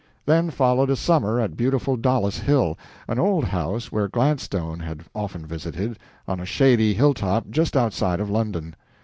Then followed a summer at beautiful Dollis Hill, an old house where Gladstone had often visited, on a shady hilltop just outside of London.